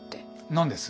何です？